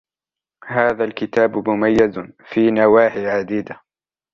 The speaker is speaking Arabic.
هذا الكتاب مميز في نواحي عديدة